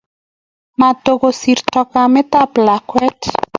matuku sirto kametab lakwet